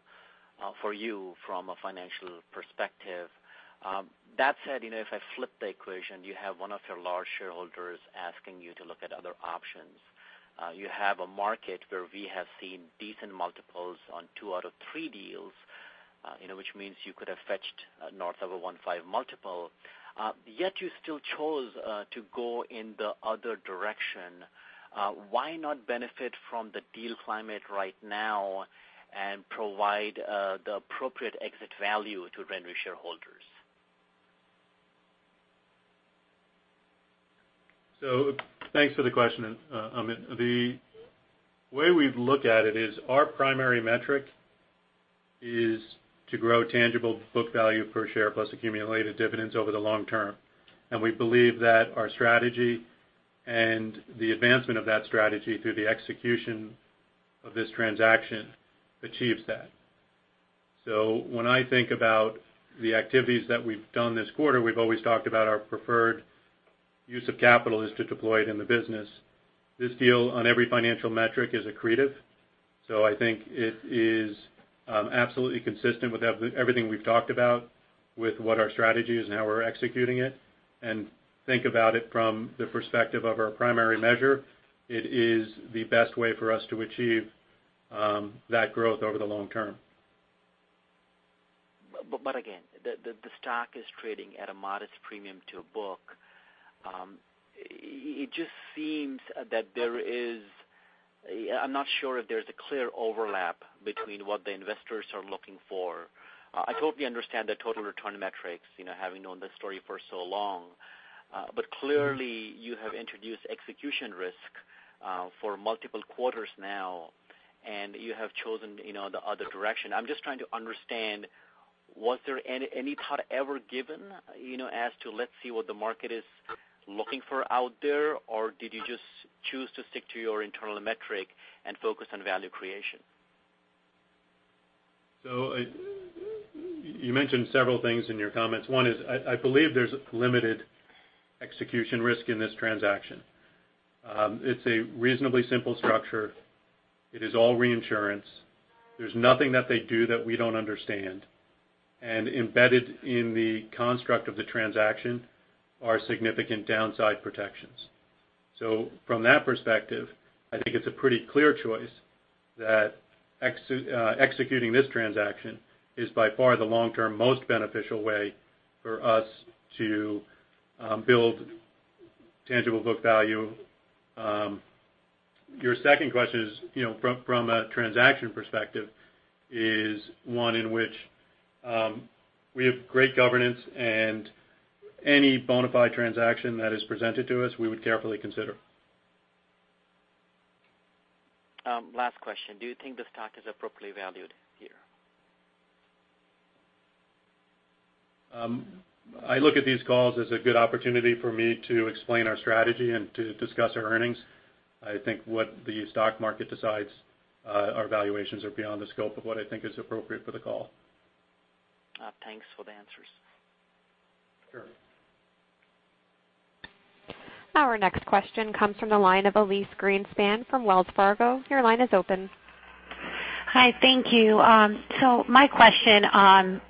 for you from a financial perspective. That said, if I flip the equation, you have one of your large shareholders asking you to look at other options. You have a market where we have seen decent multiples on two out of three deals, which means you could have fetched north of a 1.5 multiple. You still chose to go in the other direction. Why not benefit from the deal climate right now and provide the appropriate exit value to RenRe shareholders? Thanks for the question, Amit. The way we've looked at it is our primary metric is to grow tangible book value per share plus accumulated dividends over the long term. We believe that our strategy and the advancement of that strategy through the execution of this transaction achieves that. When I think about the activities that we've done this quarter, we've always talked about our preferred use of capital is to deploy it in the business. This deal, on every financial metric, is accretive. I think it is absolutely consistent with everything we've talked about with what our strategy is and how we're executing it, and think about it from the perspective of our primary measure. It is the best way for us to achieve that growth over the long term. Again, the stock is trading at a modest premium to a book. It just seems that I'm not sure if there's a clear overlap between what the investors are looking for. I totally understand the total return metrics, having known this story for so long. Clearly you have introduced execution risk for multiple quarters now, and you have chosen the other direction. I'm just trying to understand, was there any thought ever given as to let's see what the market is looking for out there, or did you just choose to stick to your internal metric and focus on value creation? You mentioned several things in your comments. One is I believe there's limited execution risk in this transaction. It's a reasonably simple structure. It is all reinsurance. There's nothing that they do that we don't understand. Embedded in the construct of the transaction are significant downside protections. From that perspective, I think it's a pretty clear choice that executing this transaction is by far the long-term most beneficial way for us to build tangible book value. Your second question is from a transaction perspective is one in which we have great governance and any bona fide transaction that is presented to us, we would carefully consider. Last question. Do you think the stock is appropriately valued here? I look at these calls as a good opportunity for me to explain our strategy and to discuss our earnings. I think what the stock market decides our valuations are beyond the scope of what I think is appropriate for the call. Thanks for the answers. Sure. Our next question comes from the line of Elyse Greenspan from Wells Fargo. Your line is open. Hi, thank you. My question,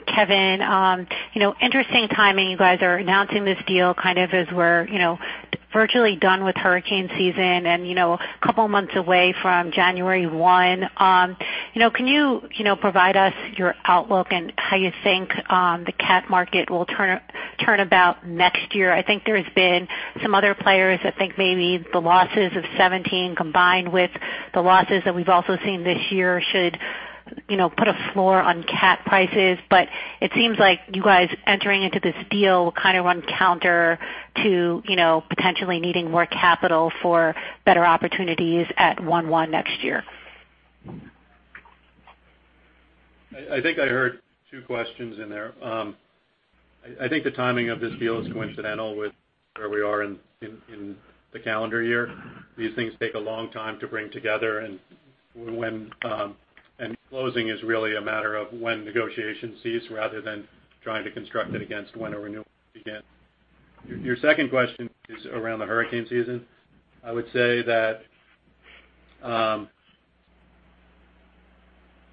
Kevin O'Donnell. Interesting timing. You guys are announcing this deal kind of as we're virtually done with hurricane season and couple months away from January 1. Can you provide us your outlook and how you think the cat market will turn about next year? I think there's been some other players that think maybe the losses of 2017 combined with the losses that we've also seen this year should put a floor on cat prices. It seems like you guys entering into this deal kind of runs counter to potentially needing more capital for better opportunities at January 1 next year. I think I heard two questions in there. I think the timing of this deal is coincidental with where we are in the calendar year. These things take a long time to bring together, and closing is really a matter of when negotiations cease rather than trying to construct it against when a renewal will begin. Your second question is around the hurricane season. I would say that the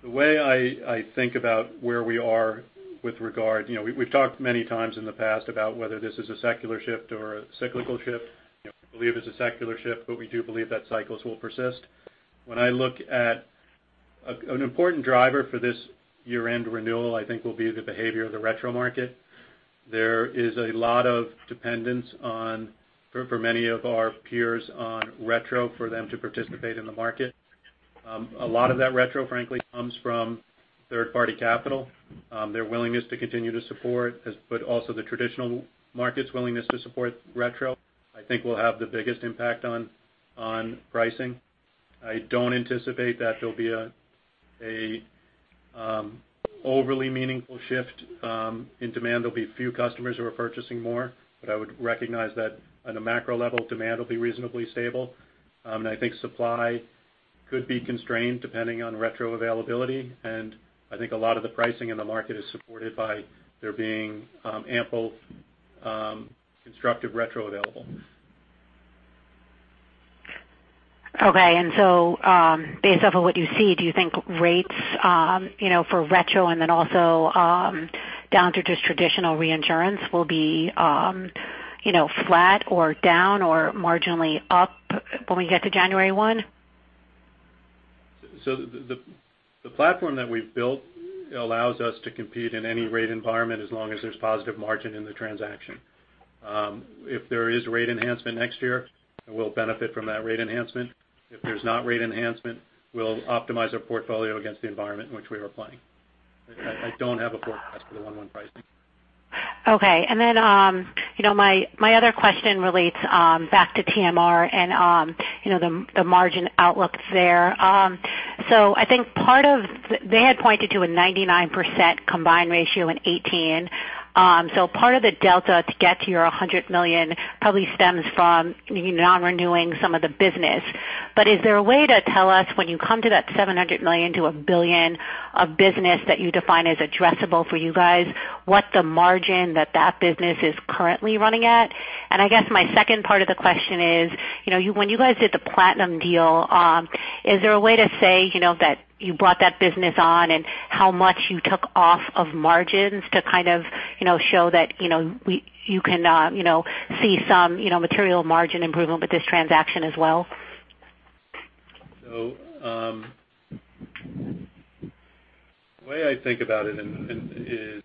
way I think about where we are with regard, we've talked many times in the past about whether this is a secular shift or a cyclical shift. We believe it's a secular shift, but we do believe that cycles will persist. An important driver for this year-end renewal, I think will be the behavior of the retro market. There is a lot of dependence for many of our peers on retro for them to participate in the market. A lot of that retro frankly comes from third-party capital. Their willingness to continue to support, but also the traditional market's willingness to support retro, I think will have the biggest impact on pricing. I don't anticipate that there'll be an overly meaningful shift in demand. There'll be few customers who are purchasing more, but I would recognize that on a macro level, demand will be reasonably stable. I think supply could be constrained depending on retro availability, and I think a lot of the pricing in the market is supported by there being ample constructive retro available. Okay. Based off of what you see, do you think rates for retro and then also down to just traditional reinsurance will be flat or down or marginally up when we get to January 1? The platform that we've built allows us to compete in any rate environment as long as there's positive margin in the transaction. If there is rate enhancement next year, we'll benefit from that rate enhancement. If there's not rate enhancement, we'll optimize our portfolio against the environment in which we are playing. I don't have a forecast for the 1/1 pricing. Okay. My other question relates back to TMR and the margin outlook there. I think they had pointed to a 99% combined ratio in 2018. Part of the delta to get to your $100 million probably stems from you now renewing some of the business. Is there a way to tell us when you come to that $700 million-$1 billion of business that you define as addressable for you guys, what the margin that business is currently running at? I guess my second part of the question is, when you guys did the Platinum deal, is there a way to say that you brought that business on and how much you took off of margins to kind of show that you can see some material margin improvement with this transaction as well? The way I think about it is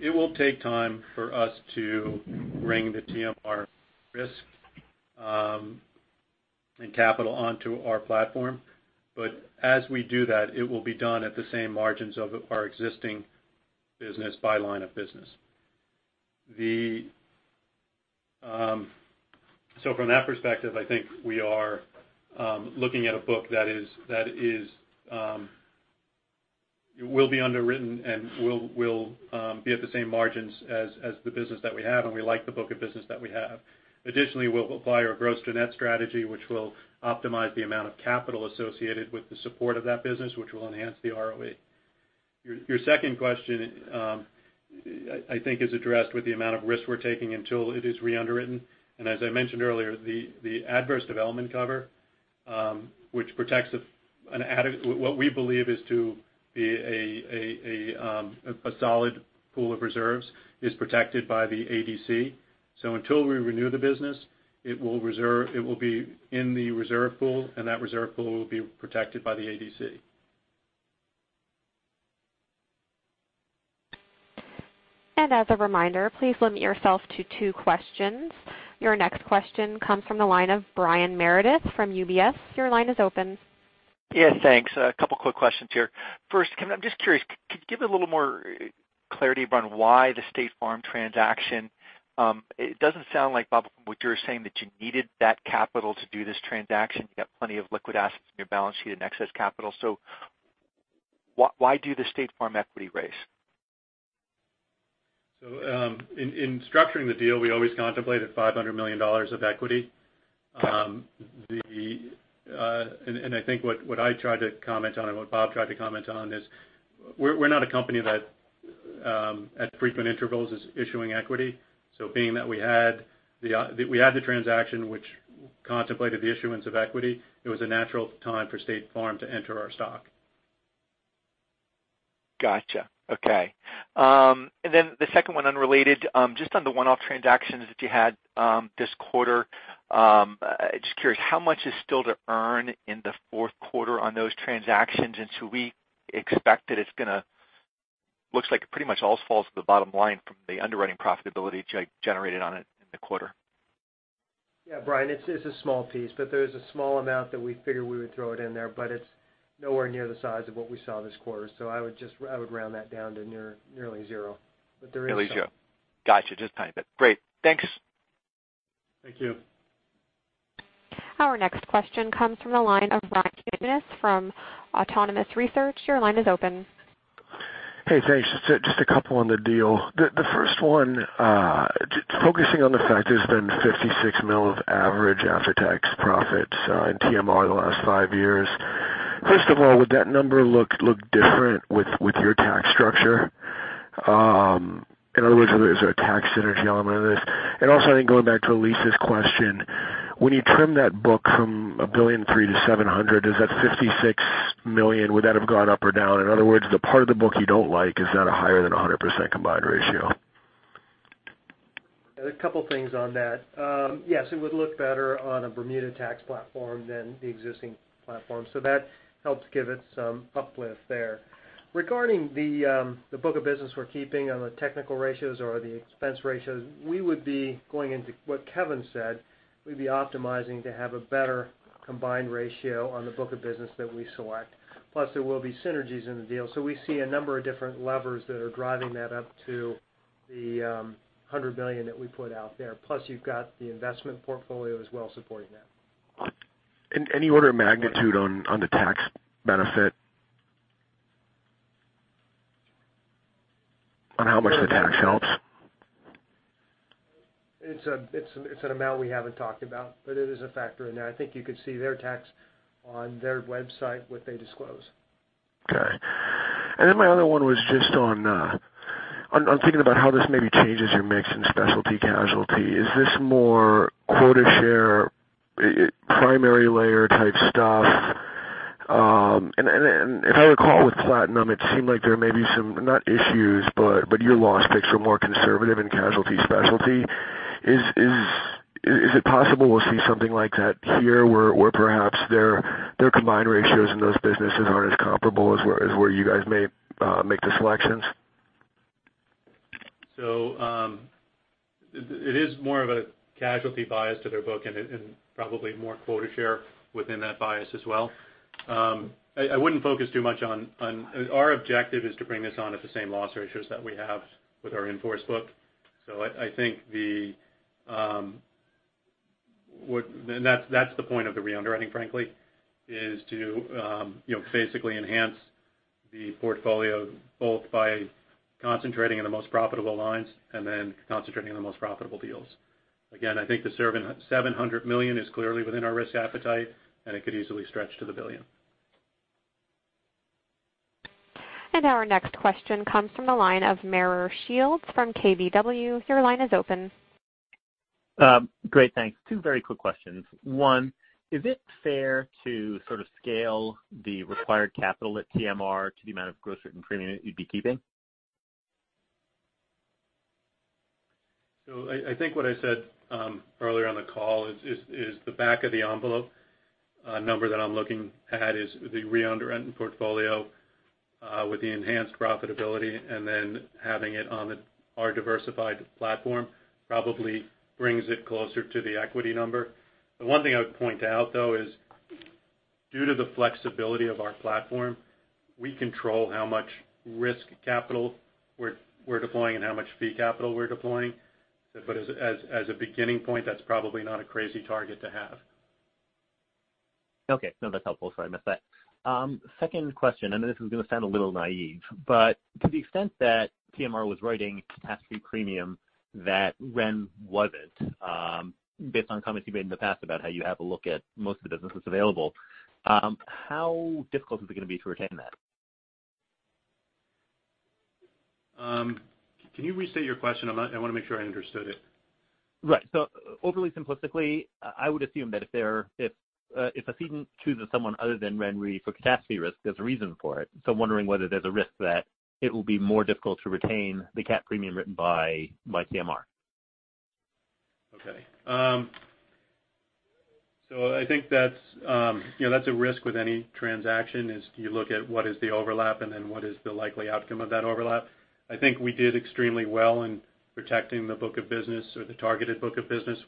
it will take time for us to bring the TMR risk and capital onto our platform. As we do that, it will be done at the same margins of our existing business by line of business. From that perspective, I think we are looking at a book that will be underwritten and will be at the same margins as the business that we have, and we like the book of business that we have. Additionally, we'll apply our gross to net strategy, which will optimize the amount of capital associated with the support of that business, which will enhance the ROE. Your second question, I think is addressed with the amount of risk we're taking until it is re-underwritten. As I mentioned earlier, the adverse development cover, what we believe is to be a solid pool of reserves is protected by the ADC. Until we renew the business, it will be in the reserve pool, and that reserve pool will be protected by the ADC. As a reminder, please limit yourself to two questions. Your next question comes from the line of Brian Meredith from UBS. Your line is open. Yeah, thanks. A couple quick questions here. First, Kevin, I'm just curious, could you give a little more clarity around why the State Farm transaction? It doesn't sound like, Bob, from what you're saying, that you needed that capital to do this transaction. You got plenty of liquid assets on your balance sheet and excess capital. Why do the State Farm equity raise? In structuring the deal, we always contemplated $500 million of equity. I think what I tried to comment on and what Bob tried to comment on is we're not a company that at frequent intervals is issuing equity. Being that we had the transaction which contemplated the issuance of equity, it was a natural time for State Farm to enter our stock. Got you. Okay. The second one, unrelated, on the one-off transactions that you had this quarter, curious, how much is still to earn in the fourth quarter on those transactions? Should we expect that it looks like it pretty much all falls to the bottom line from the underwriting profitability generated on it in the quarter. Yeah, Brian, it's a small piece, but there's a small amount that we figured we would throw it in there, but it's nowhere near the size of what we saw this quarter. I would round that down to nearly zero. There is some. Nearly zero. Got you. Tiny bit. Great. Thanks. Thank you. Our next question comes from the line of Ryan Tunis from Autonomous Research. Your line is open. Hey, thanks. Just a couple on the deal. The first one, focusing on the fact there's been $56 million of average after-tax profits in TMR the last five years. First of all, would that number look different with your tax structure? In other words, is there a tax synergy element of this? Also, I think going back to Elyse's question, when you trim that book from $1.3 billion to $700 million, is that $56 million, would that have gone up or down? In other words, the part of the book you don't like, is that higher than 100% combined ratio? A couple things on that. Yes, it would look better on a Bermuda tax platform than the existing platform. That helps give it some uplift there. Regarding the book of business we're keeping on the technical ratios or the expense ratios, we would be going into what Kevin said, we'd be optimizing to have a better combined ratio on the book of business that we select. Plus, there will be synergies in the deal. We see a number of different levers that are driving that up to the $100 million that we put out there. Plus, you've got the investment portfolio as well supporting that. Any order of magnitude on the tax benefit? On how much the tax helps? It's an amount we haven't talked about, but it is a factor in there. I think you could see their tax on their website, what they disclose. Okay. Then my other one was just on thinking about how this maybe changes your mix in specialty casualty. Is this more quota share, primary layer type stuff? If I recall with Platinum, it seemed like there may be some, not issues, but your loss picks were more conservative in casualty specialty. Is it possible we'll see something like that here, where perhaps their combined ratios in those businesses aren't as comparable as where you guys may make the selections? It is more of a casualty bias to their book and probably more quota share within that bias as well. I wouldn't focus too much on it. Our objective is to bring this on at the same loss ratios that we have with our in-force book. I think that's the point of the re-underwriting, frankly, is to basically enhance the portfolio both by concentrating on the most profitable lines and then concentrating on the most profitable deals. Again, I think the $700 million is clearly within our risk appetite, and it could easily stretch to the $1 billion. Our next question comes from the line of Meyer Shields from KBW. Your line is open. Great, thanks. Two very quick questions. One, is it fair to sort of scale the required capital at TMR to the amount of gross written premium that you'd be keeping? I think what I said earlier on the call is the back of the envelope number that I'm looking at is the re-underwritten portfolio with the enhanced profitability, and then having it on our diversified platform probably brings it closer to the equity number. The one thing I would point out, though, is due to the flexibility of our platform, we control how much risk capital we're deploying and how much fee capital we're deploying. As a beginning point, that's probably not a crazy target to have. Okay. No, that's helpful. Sorry, I missed that. Second question, this is going to sound a little naive, but to the extent that TMR was writing catastrophe premium, that Ren wasn't, based on comments you've made in the past about how you have a look at most of the businesses available, how difficult is it going to be to retain that? Can you restate your question? I want to make sure I understood it. Right. Overly simplistically, I would assume that if a cedent chooses someone other than RenRe for catastrophe risk, there's a reason for it. I'm wondering whether there's a risk that it will be more difficult to retain the cat premium written by TMR. Okay. I think that's a risk with any transaction is you look at what is the overlap and then what is the likely outcome of that overlap. I think we did extremely well in protecting the book of business or the targeted book of business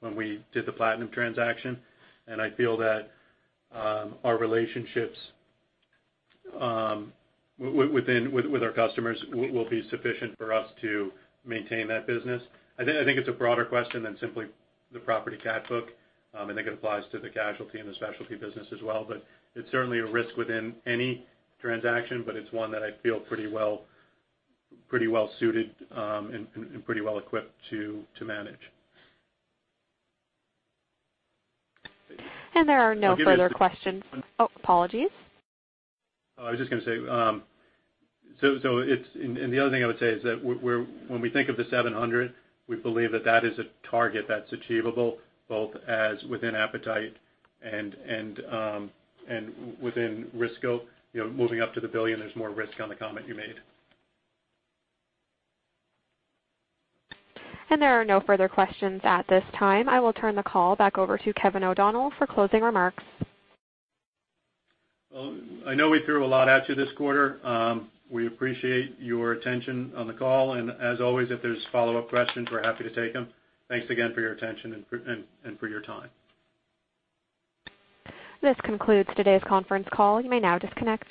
when we did the Platinum transaction. I feel that our relationships with our customers will be sufficient for us to maintain that business. I think it's a broader question than simply the property cat book. It applies to the casualty and the specialty business as well. It's certainly a risk within any transaction. It's one that I feel pretty well suited and pretty well equipped to manage. There are no further questions. Oh, apologies. I was just going to say, the other thing I would say is that when we think of the $700, we believe that is a target that's achievable both within appetite and within risk. Moving up to the $1 billion, there's more risk on the comment you made. There are no further questions at this time. I will turn the call back over to Kevin O'Donnell for closing remarks. I know we threw a lot at you this quarter. We appreciate your attention on the call, and as always, if there's follow-up questions, we're happy to take them. Thanks again for your attention and for your time. This concludes today's conference call. You may now disconnect.